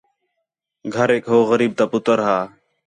گھریک ہو غریب تا پُتر ہا